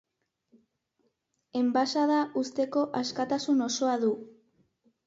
Enbaxada uzteko askatasun osoa du.